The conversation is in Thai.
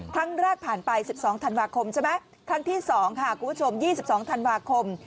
ผ่านไป๑๒ธันวาคมใช่ไหมครั้งที่๒ค่ะคุณผู้ชม๒๒ธันวาคม